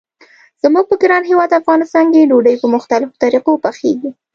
زموږ په ګران هیواد افغانستان کې ډوډۍ په مختلفو طریقو پخیږي.